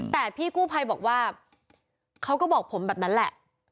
แต่พี่กู้ภัยบอกว่าเขาก็บอกผมแบบนั้นแหละ